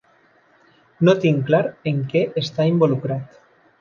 No tinc clar en què està involucrat.